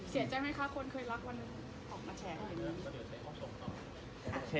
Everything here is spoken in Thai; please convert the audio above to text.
เสียใจไหมคะคนเคยรักวันหนึ่งออกมาแชร์หน่อย